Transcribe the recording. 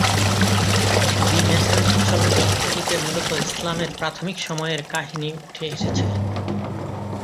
দি message চলচ্চিত্রটিতে মূলত ইসলামের প্রাথমিক সময়ের কাহিনী উঠে এসেছে।